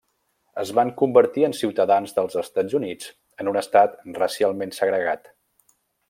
Es van convertir en ciutadans dels Estats Units en un estat racialment segregat.